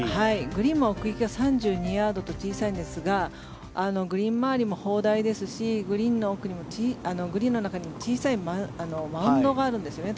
グリーンも奥行きが３２ヤードと小さいんですがグリーン周りも砲台ですしグリーンの中にも小さいマウンドがあるんですね